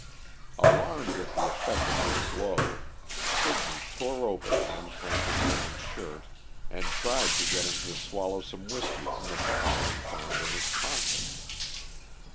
Alarmed at the effect of his blow, Sidney tore open the unconscious man's shirt, and tried to get him to swallow some whiskey from the bottle he found in his pocket.